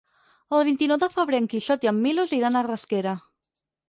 El vint-i-nou de febrer en Quixot i en Milos iran a Rasquera.